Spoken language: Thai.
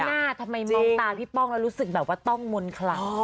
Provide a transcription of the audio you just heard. หน้าทำไมมองตาพี่ป้องแล้วรู้สึกแบบว่าต้องมนต์คลัง